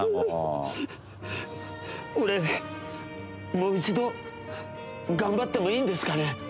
俺、もう一度、頑張ってもいいんですかね？